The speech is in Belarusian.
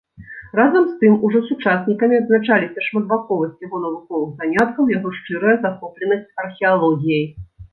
Разам з тым ужо сучаснікамі адзначаліся шматбаковасць яго навуковых заняткаў, яго шчырая захопленасць археалогіяй.